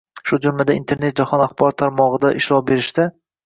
shu jumladan Internet jahon axborot tarmog‘ida ishlov berishda